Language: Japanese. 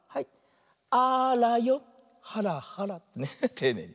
ていねいに。